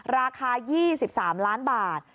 ราคา๒๓ล้านบาท